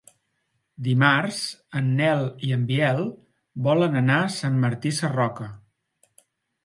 Dimarts en Nel i en Biel volen anar a Sant Martí Sarroca.